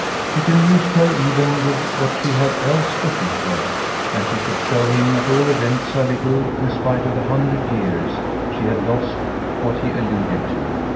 It amused her even with what she had else to think of; and she could show him at all events how little, in spite of the hundred years, she had lost what he alluded to.